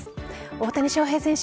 大谷翔平選手